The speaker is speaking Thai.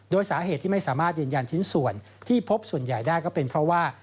โดยสาเหตุที่ไม่สามารถยืนยันชิ้นส่วนที่พบส่วนใหญ่ได้ก็เป็นเพราะว่า